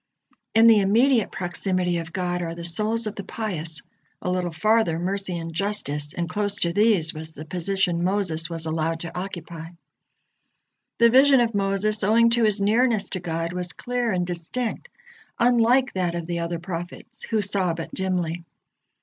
In the immediate proximity of God are the souls of the pious, a little farther Mercy and Justice, and close to these was the position Moses was allowed to occupy. The vision of Moses, owing to his nearness to God, was clear and distinct, unlike that of the other prophets, who saw but dimly.